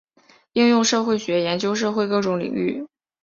应用社会学研究社会各种领域。